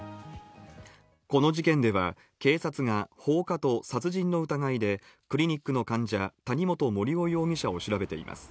この事件では警察が放火と殺人の疑いでクリニックの患者、谷本盛雄容疑者を調べています。